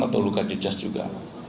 atau luka jejaz juga